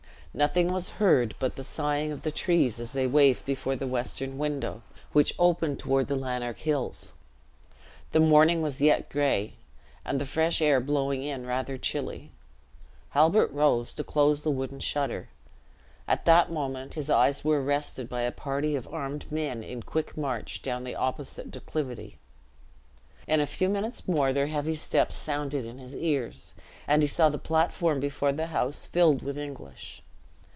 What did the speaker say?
Nothing was hear but the sighing of the trees as they waved before the western window, which opened toward the Lanark hills. The morning was yet gray, and the fresh air blowing in rather chilly, Halbert rose to close the wooden shutter; at that moment, his eyes were arrested by a party of armed men in quick march down the opposite declivity. In a few minutes more their heavy steps sounded in his ears, and he saw the platform before the house filled with English.